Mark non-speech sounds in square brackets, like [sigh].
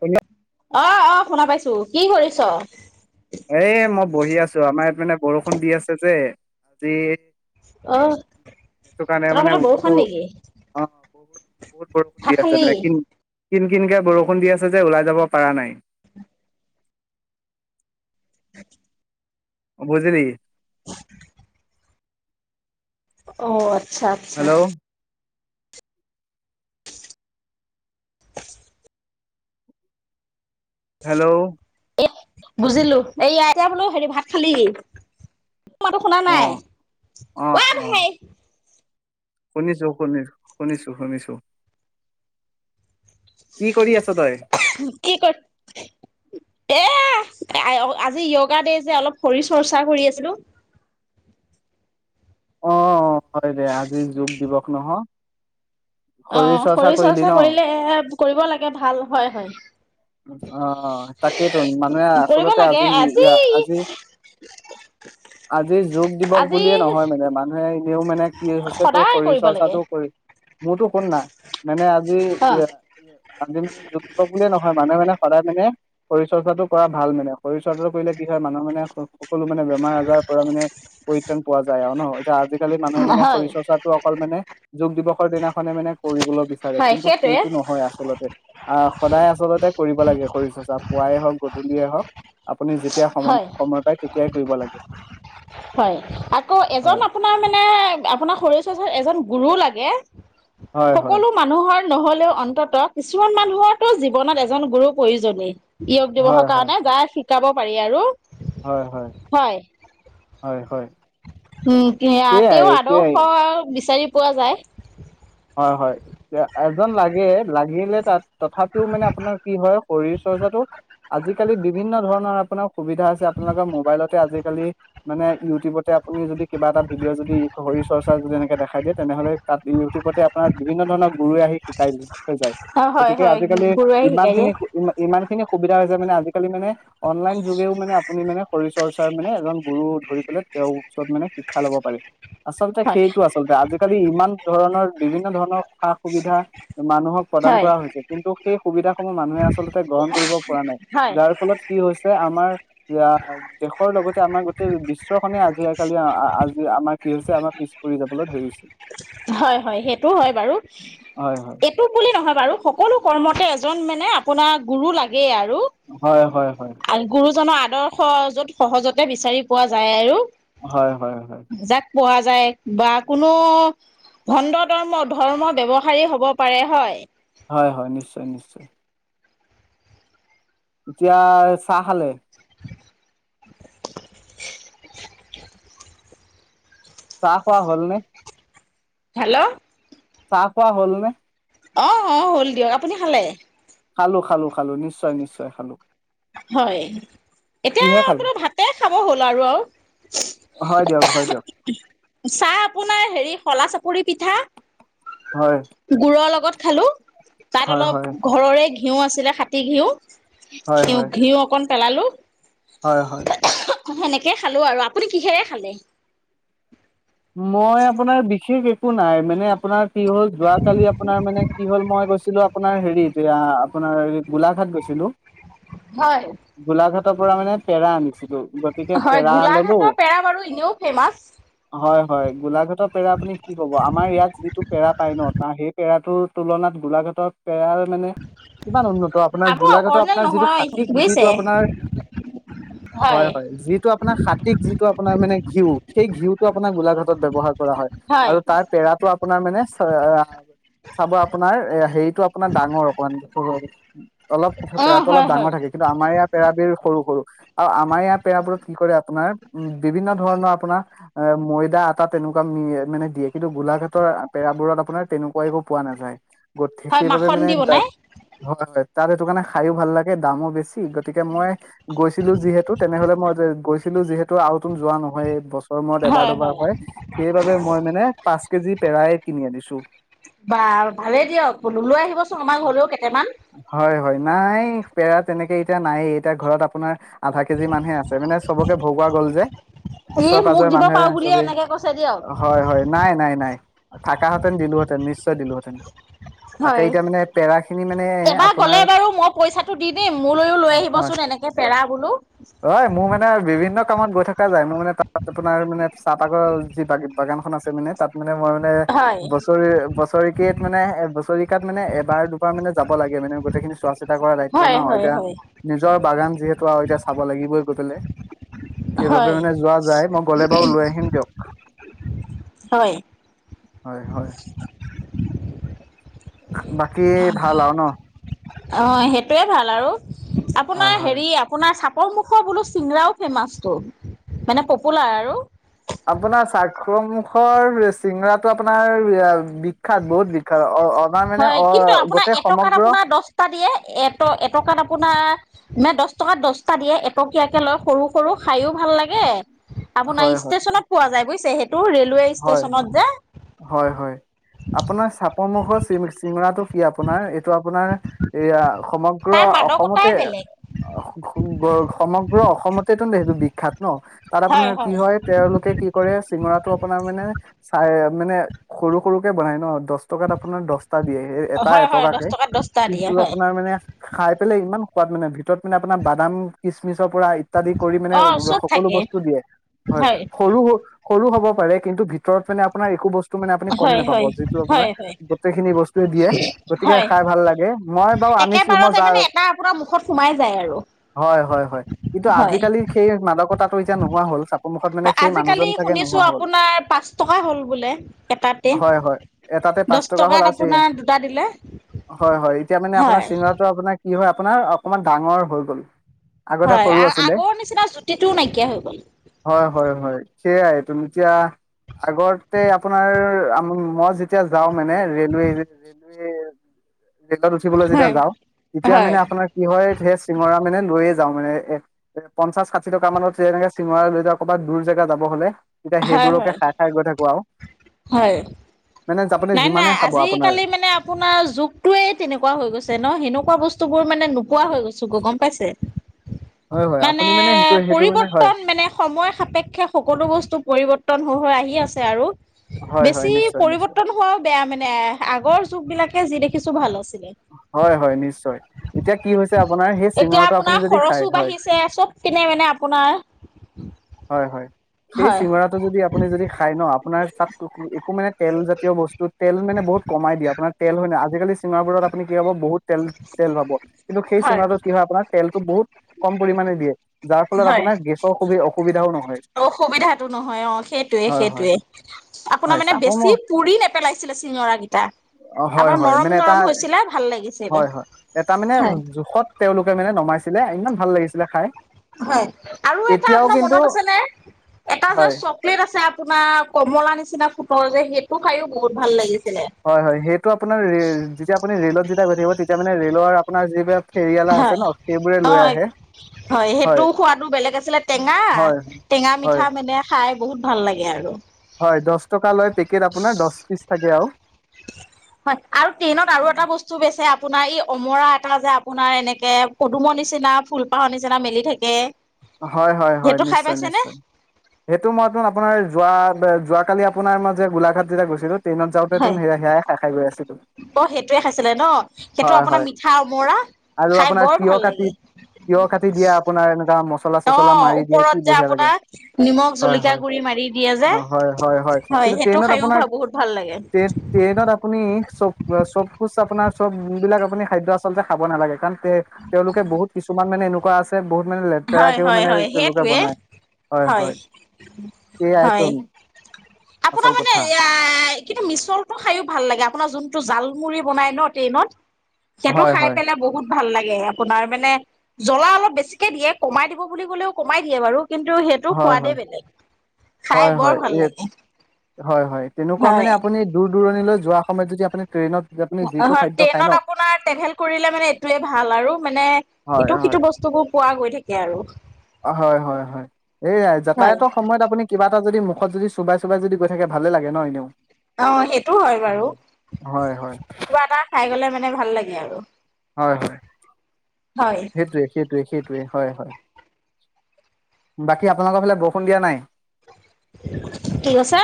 শুনি- অহ অহ শুনা পাইছো তহ কি কৰিছ? এহ মই বহি আছো আমাৰ ইয়াত মানে বৰষুণ দি আছে যে আজি অহ সেইটো কাৰণে তহঁতৰ মানে ফালে কতো বৰষুণ নেকি অহ বহুত বহুত বৰষুণ দি ভাত আছে খালি মানে কিন কিন কিনকে বৰষুণ দি আছে যে ওলাই যাব পাৰা নাই [unintelligible] বুজিলি [unintelligible] অহ আচ্ছা আচ্ছা হেল্ল' [unintelligible] হেল্ল' বুজিলো এই এতিয়া বোলো হেৰি ভাত খালি? তো মাততো শুনা অ নাই অ অহ অ হেই শুনিছো শুনি শুনিছো শুনিছো কি কৰি আছ তই কি কৰ, এহ আজি য়োগা দে যে অলপ শৰীৰ চৰ্চা কৰি আছিলো অহ অহ হয় দে আজি যোগ দিৱস ন হয় শৰীৰ চৰ্চা কৰিলি ন। আহ', কৰিব লাগে ভাল হয় হয় - অহ ', তাকেইতো মানুহে কৰিব আচলতে লাগে আজি - আজি - আজি যোগ দিৱস আজি বুলিয়ে নহয় মানে। মানুহে এনেও মানে কি হৈছে তোৰ সদায় শৰীৰ কৰিব লাগে চৰ্চাটোও কৰি মোৰতো শুন না মানে আঁহ ', আজি- অ আজি মানে যগ যুৱক বুলিয়ে নহয় মানুহে মানে সদায় মানে। শৰীৰ চৰ্চাটো কৰা ভাল মানে শৰীৰ চৰ্চাটো কৰিলে কি হয় মানুহ মানে সকলো মানে বেমাৰ আজাৰৰ পৰা মানে পৰিত্ৰাণ পোৱা যায় আৰু ন। আজি আজিকালি মানুহে মানে হয় শৰীৰ চৰ্চাটো অকল মানে যোগ দিৱসৰ দিনাখনে মানে কৰিবলৈ বিচাৰে হয় কিন্তু সেইটোৱে সেইটো নহয় আচলতে আহ', সদায় আচলতে কৰিব লাগে ।শৰীৰচ পুৱাই হওক গধূলিয়ে হওক। আপুনি যেতিয়া সম- হয় সময় পায় তেতিয়াই কৰিব লাগে হয় আকৌ এজন হয়। আপোনাৰ মানে আপোনাৰ শৰীৰ চচাত এজন গুৰু লাগে। হয়, হয়। সকলো মানুহৰ। নহলেও অন্তত কিছুমান মানুহৰতো জীৱনত এজন গুৰু প্ৰয়োজনেই। য়োগ হয়, দিৱসৰ হয়। কাৰণে যায়ে। যাব। পাৰি আৰু। হয় - হয় - হয়- হয় উম', এয়াই তেওঁও এতিয়াই আদৰ্শ বিচাৰি পোৱা যায়। হয় -হয় এজন লাগে লাগিলে তাত। তথাপিও মানে আপোনাৰ কি হয় শৰীৰ চৰ্চাটো আজিকালি বিভিন্ন ধৰণৰ। আপোনাৰ সুবিধা আছে আপোনালোকৰ মোবাইলতে আজিকালি মানে ইউটিউবতে আপুনি যদি কিবা এটা ভিডিঅ' যদি শৰ চৰ্চা যদি এনেকে দেখাই দিয়ে তেনেহ'লে তাত। আপোনাৰ বিভিন্ন ধৰণৰ গুৰুৱে আহি শিকাই থৈ যায়। অ' হয় গতিকে হয় আজিকালি গুৰুৱে ইমান শিকাই দিয়ে খিনি ইমান খিনি সুবিধা মানে আজিকালি মানে অনলাইন যুগেও মানে আপুনি মানে শৰীৰ চৰ্চা মানে এজন গুৰু ধৰি পেললে তেওঁৰ ওচৰত মানে শিক্ষা লব পাৰি। আচলতে হয় সেইটো আচলতে আজিকালি ইমান ধৰণৰ। বিভিন্ন ধৰণৰ সা সুবিধা মানুহক প্ৰদান হয় কৰা হৈছে কিন্তু সেই সুবিধা। মানুহে আচলতে গ্ৰহণ কৰিব পৰা নাই হয় যাৰ ফলত কি হৈছে আমাৰ। যে দেশৰ লগতে আমাৰ গোটেই বিশ্ব নে আজি কালি আজ যে আমাৰ কি হৈছে আমাৰ পিছ পৰিৰি যাবলৈ ধৰিছিল। হয়- হয় সেইটো হয় বাৰু হয় হয় এইটো বুলি নহয় বাৰু। সকলো কৰ্মতে এজন মানে আপোনাৰ গুৰু লাগে আৰু, হয় হয় হয় গুৰুজননৰ আদৰ্শ য'ত সহজতে বিচাৰি পোৱা যায় আৰু হয়-হয়-হয়। যাক পোৱা যায়, বা কোনো ভণ্ড ধৰ্ম, ধৰ্ম ব্য্ৱসায়ী হব পাৰে হয় হয়-হয়, নিশ্চয়-নিশ্চয়। এতিয়া চাহ খালে? [inaudible] চাহ খোৱা হ'ল নে? হেল্ল' চাহ খোৱা হল নে? অঁ অ হ'ল দিয়ক। আপুনি খালে? খালো-খালো-খালো, নিশ্চয়-নিশ্চয়, খালো। হয়, এতিয়া কিহে খালো আপোনা ভাতে খাব হ'ল আৰু আও। হয় দিয়ক, হয় দিয়ক। পুৰি পিঠা, হয় গুৰ লগত হেল্ল' তাত হয় অলপ, হয় ঘৰৰে ঘিউ আছিলে, সাতী ঘিউ হয় সিও, হয় ঘিও অকণ পেলালোঁ। হয় হয়। সেনেকে খালো আৰু, আপুনি কিহেৰে খালে? মই আপোনাৰ বিশেষ এক কো নাই, মানে আপোনাৰ কি হ'ল, যোৱাকালি আপোনাৰ মানে কি হ'ল, মই গৈছিলো আপোনাৰ হেৰি, এতিয়া আপোনাৰ গোলাঘাট গৈছিলো হয়। গোলাঘাটৰ পৰা মানে পেৰা আনিছে হয়, গোলাঘাটৰ পেৰা বাৰু এনেও ফেমাচ। হয় হয়, গোলাঘাটৰ পেৰা আপুনি কি ক'ব আমাৰ, ইয়াত যিটো পেৰা পায় ন, তাৰ সেই পেৰাটোৰ তুলনাত গোলাঘাটত পোৰ মানে, কিমান উন্নত, আপোনাৰ আকৌ গোলাঘাটৰ অৰিজিনেল আপোনাৰ যিটো নহয় হাতীক, যিটো বুজিছে আপোনাৰ, হয় হয়, যিটো আপোনাৰ হাতীক, যিটো আপোনাৰ মানে ঘিউ সেই ঘিউ আপোন গোলাঘাটত ব্যৱহাৰ কৰা হয় আৰু তাৰ পেৰাটো আপোনাৰ মানে চাব আপোনাৰ হেৰিতটো আপোনাৰ ডাঙৰ অকণমান সৰু অলপ অ', পেৰাতটো অলপ হয়, হয়, ডাঙৰ থাকে কিন্তু আমাৰ ইয়াৰ পেৰা বিৰ সৰু সৰু আৰু আমাৰ ইয়াৰ পেৰাবোৰত কি কৰে আপোনাৰ উ বিভিন্ন ধৰণৰ আপোনাৰ এ ময়দা আটা তেনেকুৱা মানে দিয়ে কিন্তু গোলাঘাটৰ পেৰাবোৰত আপোনাৰ তেনেকুৱাই একো পোৱা নাযায় গঠ হয়, সেইবাবে মাখন মানে দি দাগ বনাই হোৱা হয় [unintelligible] তাত সেইটো কাৰণে খায়ো ভাল লাগে দামো বেছি গতিকে মই গৈছিলো যিহেতু তেনেহলে মই গৈছিলো যিহেতু আৰু তুন যোৱা নহয় মৰত এবাৰ দুবাৰ হয় সেইবাবে মই মানে পাঁচ কেজি পেৰা কিনি আনিছো বা ভালেই দিয়ক বোলো লৈ আহিবচোন আমাৰ ঘৰলৈও কেইটামান। হয় হয় নাই পেৰা তেনেকে এতিয়া নায়েই এতিয়া ঘৰত আপোনাৰ আধা কেজি মানুহে আছে মানে চবকে ভগুৱা গ'ল যে ই ওচৰে মোক পাজৰে দিব পাৰো মানুহে বুলিয়ে চবেই এনেকে কৈছে দিয়ক। ।হয় হয় নাই নাই নাই থাকা হেতেন দিলোহেতেন নিশ্চয় দিলোহেতেন। হয় এবাৰ আপোনাৰ গলে বাৰু মই পইচাটো দি দিম মোলৈও লৈ হয় আহিবচোন এনেকে পেৰা বোলো হয় মোৰ মানে বিভিন্ন কামত গৈ থকা যায় মই মান তাত আপোনাৰ মানে চাহপাগৰ যি বাগান খখন আছে মানে তাত মানে মে মই মানে হয়, বছৰি বছৰিকেই মানে এ বছৰিকাত মানে এবাৰ দুবাৰ মানে যাব লাগে মানে গোটেইখিনি চোৱা চা কৰা দায়িত্ব হয়, ন হয়, এতিয়া হয়, নিজৰ বাগান যিহেতু আৰু এতিয়া চাব লাগিবই ক পে সেইবাবে হয়, মানে যোৱা যাই মই গ'লে বাৰু লৈ আহিম দিয়ক হয়। হয় হয়। বাকী ভাল আৰু ন অ সেইটোৱে ভাল আৰু হয় আপোনাৰ হয় হেৰি আপোনাৰ চ অমুখৰ বোলো চিংৰাও ফেমাচটো মানে পপুলাৰ আৰু আপোনাৰ চাকংখৰ মুখৰ চিঙৰাটো আপোনাৰ বি হয় কিন্তু আপোনাৰ গোটেই এটকাত সমগ্ৰ আপোনাৰ দহটা দিয়ে এট এটকাত আপোনাৰ ম দহ টকাত দহটা দিয়ে এটকীয়াকে লৈ সৰু সৰু খায়ো ভাল লাগে আপোনাৰ হয় হয় ষ্টেচনত পোৱা যায় বুজছ চেহেত হয় হয় হয় আপোনাৰ মখৰ চিমৰাটো কি আপোনাৰ এইটো আপোনাৰ এইয়া সমগ্ৰ তাৰ ক অসমতে মাদকতাই বেলেগ সমগ্ৰ, পুৰা অসমতেতো মে সেইটো বিখ্যাত ন তাত আপোনাৰ কি হয় তেওঁলোকে কি কৰে চিঙৰাতটো। মানে চ মানে সৰু-সৰুকে বনাই ন। দচ টকাত আপোনাৰ দহটা দিয়ে এটা হয় হয় দহ এটকাকে টকাত দহটা কিন্তু দিয়ে হয় আপোনাৰ মানে খাই পেলাই ইমান, কোৱাত মানে ভিতৰত মানে আপোনাৰ বাদাম কিচমিচ। পৰা ইত্যাদি কৰি মানে অ চব সকলো থাকে বস্তু দিয়ে হয় সৰু। সৰু হ'ব। পাৰে কিন্তু ভিতৰত মানে আপোনাৰ একো বস্তু। গোটেই টো হয় মানে হয় যিটো মানে অপোনাৰ হয় হয় গোটেই খিনি বস্তুয়ে দিয়ে, গতিকে হয় খাই ভাল লাগে মই বাৰু আনিছো মই আনিছো, মই একেবাৰতে যাওঁ মানে এটা আপোনাৰ মুখত সোমাই যায় আৰু হয়-হয়-হয়। কিন্তু আজি হয় কালি সেই মাদকটা। তাতো এতিয়া নোহোৱা হল। সন্মুখত সেই আজিকালি মানুহজন চাগে শুনিছো নোহোৱা হল। আপোনাৰ পাঁচ টকা হ'ল বোলে, এটাতে হয় হয় এটাতে পাঁচ দছ টকা হ'ল টকাত আৰু চি আপোনাৰ দুটা দিলে হয় হয় এতিয়া মানে আপোনাৰ হয়। চিঙৰাটো আপোনাৰ কি হয় আপোনাৰ, অকমান ডাঙৰ হৈ গ'ল। আগতে হয় সৰু আৰু আছিলে আগৰ নিচিনা জুতিটোও নাইকিয়া হৈ গ'ল। সেইয়াই তুমি এতিয়া, আগতে আপোনাৰ আম, মই যেতিয়া যাওঁ মানে, ৰেলৱে-ৰেলৱে ৰে'লত উঠিবলে যেতিয়া হয় যাওঁ, তেতিয়া হয় মানে আপোনাৰ কি হয় সেই চিঙৰা মানে লৈয়ে যাওঁ মানে, এ-পঞ্চাশ ষাঠি টকা মানত এনেকে চিঙৰা লৈ যাওঁ ক'ৰাবাত দূৰ জেগা যাব হ'লে। তেতিয়া হয় সেইবোৰকে হয় খাই-খাই গৈ থাকো আৰু। হয়। মানে আপুনি যিমানে নাই-নাই, খাব আপোনাৰ আজিকালি মানে আপোনাৰ যুগটোৱে তেনেকুৱা হৈ গৈছে ন, সেনেকুৱা বস্তুবোৰ মানে নোহো হোৱা হৈ গৈছো-গ, গম পাইছে? হয় হয় মানে, আপুনি সেইটো সেইটো মানে হয় পৰিবৰ্তন মানে সময় সাপেক্ষে সকলো বস্তু পৰিবৰ্তন হৈ-হৈ আহি কি আছে আৰু? হয়-হয়, বেছি নিশ্চয়-নিশ্চয়। পৰিৱৰ্তন হোৱাও বেয়া মানে, আগৰ যুগবিলাকেই যি দেখিছো ভাল আছিল। হয় হয় নিশ্চয় এতিয়া কি হৈছে আপোনাৰ সেই এতিয়া চিঙৰাটো আপুনি আপোনাৰ যদি খাই খৰচো হয় বাঢ়িছে, চব পিনে মানে আপোনাৰ হয়-হয়। সেই হয় চিঙৰাটো যদি আপুনি যদি খাই ন, আপোনাৰ তাত একো মানে তেলজাতীয় বস্তু তেল মানে বহুত কমাই দিয়ে আপোনাৰ তেল হয় না অ' আজিকালি চিংৰাবোৰত আপুনি কি পাব, বহুত তেল-তেল পাব, কিন্তু সেই চিংৰাটোত কি হয় আপোনাৰ, তেলতো বহুত কম পৰিমাণে দিয়ে। যাৰ ফলত আপোনাৰ গেছৰ অসুবিধ-অস সুবিধাও ন অ সুবিধাটো নহয় অ', সেইটোৱে হয় হয় সেইটোৱে, আপোনাৰ হয় মানে চাব মোৰ বেছি পুৰি নেপেলাইছিলে চিঙৰাকেইটা, অ হয় আপোনাৰ হয় নৰম মানে এটা নৰম হৈছিলে, ভাল লাগিছিলে, হয় হয় এটা মানে হয়। জোখত তেওঁলোকে মানে নমাইছিলে ইমান ভাল লাগিছিলে খাই। হয়, আৰু এটা এতিয়াও আপোনাৰ কিন্তু মনত আছেনে, এটা যে হয় চকলেট আছে আপ আপোনাৰ, কমলা নিচিনা ফুতৰ যে সেই হয় হয়, সেইটো আপোনাৰ ৰে'-ৰে' যেতিয়া আপুনি ৰে'লত যেতিয়া গৈ থাকিব তেতিয়া মানে ৰে'লৰ আপোনাৰ যিবিলাক ফেৰিয়ালা আছে হয় ন সেইবোৰে লৈ অ', আহে হয় সেইটো সোৱাদো বেলেগ আছিলে, টেঙা, হয় টেঙা হয় মিঠা মানে খাই বহুত ভাল লাগে এই আৰু। খাই দিয়ে আৰু। হয়, আৰু ট্ৰেইনত আৰু এটা বস্তু বেছে- আপোনাৰ ই অমৰা এটা যে আপোনাৰ এনেকে পদুমৰ নিচিনা ফুলপাহৰ নিচিনা মেলি থাকে। হয় হয় হয় সেইটো খাই নিশ্চয় পাইছে নে? নিশ্চয় সেইটো মই আপোনাৰ যোৱা যোৱ কালি আপোনাৰ মই যে গোলাঘাট যেতিয়া গৈছিলো দিনত যাওঁতে হয় সেয়াই খায় খায় গৈ আছিলো অ সেইটোয়ে খাইছিলে ন সেইটো হয় আপোনাৰ হয় মিঠা অমৰা আৰু খাই আপোনাৰ বৰ ভাল লাগে তিয়হ কাটি দিয়ে এনেকুৱা মছলা অ চছলা মাৰি দিয়ে কি ওপৰত যে বঢ়িয়া লাগে আপোনাৰ নিমখ হয় জলকীয়া হয় গুৰি মাৰি দিয়ে অ হয় হয় যে হয় কিন্তু সেইটো ট্ৰেইনত আপোনাৰ খাইও বহুত ভাল লাগে ট্ৰেইন ট্ৰেইনত আপুনি চব চবকুচ আপোনাৰ চব বিলাক আপুনি খাদ্য আচলতে খাব নালাগে কাৰণ তেওঁলোকে বহুত কিছুমান মানে এনেকুৱা আছে বহুত মানে হয় লেতেৰাকেও হয় মানে হয় তেওঁলোকে সেইটোৱে বনায় হয় হয় এইয়াইতো আপোনাৰ আচল মানে কথা কিন্তু মিছলটো খাইয়ো ভাল লাগে আপোনাৰ যোনটো জালমুৰি বনাই ন ট্ৰেইনত সেইটো হয় খাই হয় পেলাই বহুত ভাল লাগে আপোনাৰ মানে জ্বলা অলপ বেছিকে দিয়ে কমাই দিব বুলি ক'লেও কমাই দিয়ে বাৰু কিন্তু সেইটো হয় সোৱাদেই বেলেগ খাই বৰ ভাল লাগে হয় তেনেকুৱা মানে হয় আপুনি দূৰ দূৰণিলৈ যোৱাৰ সমত যদি আপুনি ট্ৰেইনত আপুনি যিটো হয় খাদ্য খায় ন ট্ৰেইনত আপোনাৰ ট্ৰেভেল কৰিলে মানে হয় এইটোৱে ভাল আৰু মানে হয় ইটো সিটো বস্তুবোৰ পোৱা গৈ থাকে আৰু হয় হয় হয় এই যাতায়াতৰ সময়ত আপুনি কিবা এটা যদি মুখত যদি চুবাই চুবাই যদি গৈ থাকে ভালে লাগে ন এনেও অ সেইটো হয় বাৰু হয় হয় কিবা এটা খাই গ'লে মানে মানে ভাল লাগে আৰু হয়, হয়। হয় সেইটোৱে, সেইটোৱে, সেই সেইটোৱে, হয়, হয়। বাকী আপোনালোকৰ ফালে বৰষুণ দিয়া নাই। কি কৈছে?